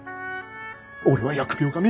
俺は疫病神。